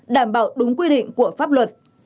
đảm bảo đúng quy định của pháp luật